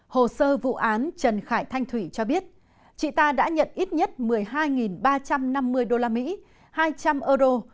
hồ sơ vụ án trần khải thanh thủy cho biết chị ta đã nhận ít nhất một mươi hai ba trăm năm mươi usd hai trăm linh euro